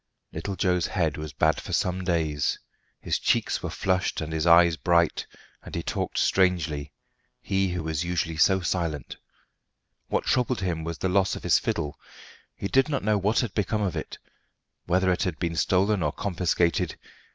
Little Joe's head was bad for some days. His cheeks were flushed and his eyes bright, and he talked strangely he who was usually so silent. What troubled him was the loss of his fiddle; he did not know what had become of it, whether it had been stolen or confiscated.